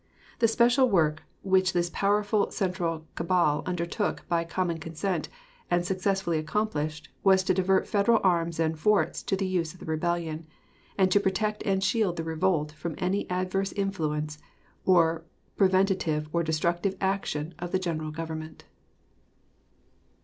The special work which this powerful central cabal undertook by common consent, and successfully accomplished, was to divert Federal arms and forts to the use of the rebellion, and to protect and shield the revolt from any adverse influence, or preventive or destructive action of the general Government.